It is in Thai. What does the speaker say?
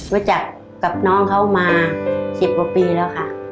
รู้จักกับน้องเขามา๑๐กว่าปีแล้วค่ะ